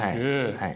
はい。